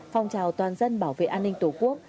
phong trào toàn dân bảo vệ an ninh tổ quốc